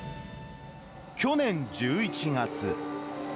去年１１月。